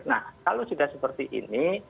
nah kalau sudah seperti ini